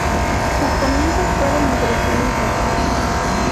Sus comienzos fueron impresionistas.